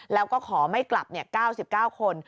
แล้วก็ขอไม่กลับ๙๙คน